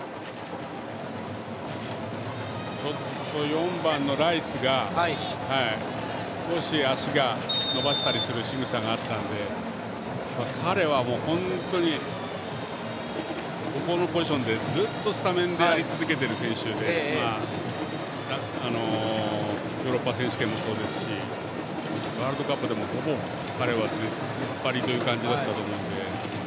４番のライスが少し足を伸ばしたりするしぐさがあったので彼は、本当にここのポジションでずっとスタメンでやり続けている選手でヨーロッパ選手権もそうですしワールドカップでもほぼ彼は出ずっぱりという感じだったので。